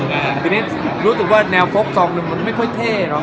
ตรงนี้รู้สึกว่าแนวโฟคซอง่์ไม่ค่อยเท่